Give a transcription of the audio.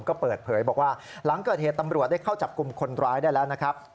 ก็เปิดเผยบอกว่าหลังเกิดเหตุตำรวจได้เข้าจับกลุ่มคนร้ายได้แล้วนะครับ